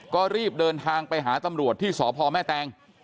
ก็รีบเดินทางไปหาตำรวจที่สพแม่แตง